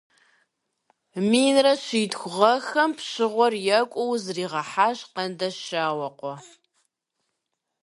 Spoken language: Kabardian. Минрэ щитху гъэхэм пщыгъуэр екӏуу зрихьащ Къанщауэкъуэ.